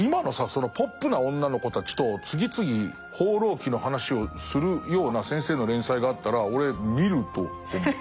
そのポップな女の子たちと次々「放浪記」の話をするような先生の連載があったら俺見ると思う。